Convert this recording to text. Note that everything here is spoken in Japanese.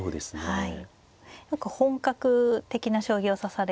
はい。